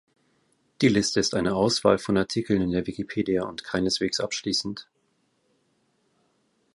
Die Liste ist eine Auswahl von Artikeln in der Wikipedia und keineswegs abschließend.